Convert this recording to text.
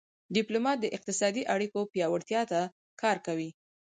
ډيپلومات د اقتصادي اړیکو پیاوړتیا ته کار کوي.